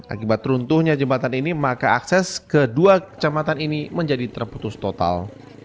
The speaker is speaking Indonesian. akibat runtuhnya jembatan ini maka akses ke dua kecamatan ini menjadi terputus total